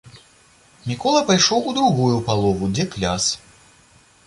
Мікола пайшоў у другую палову, дзе кляс.